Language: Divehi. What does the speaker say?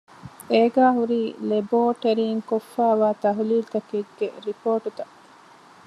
އޭގައި ހުރީ ލެބޯޓެރީން ކޮށްފައިވާ ތަހުލީލުތަކެއްގެ ރިޕޯޓުތައް